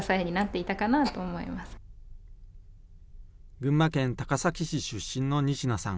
群馬県高崎市出身の仁科さん。